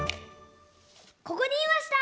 ここにいました！